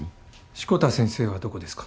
志子田先生はどこですか？